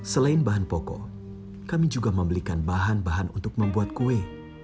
selain bahan pokok kami juga membelikan bahan bahan untuk membuat kue